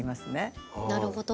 なるほど。